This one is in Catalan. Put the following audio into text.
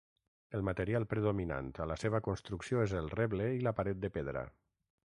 El material predominant a la seva construcció és el reble i la paret de pedra.